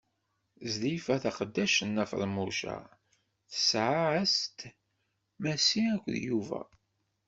Zilfa, taqeddact n Nna Feḍmuca, tesɛa-as-d: Massi akked Yuba.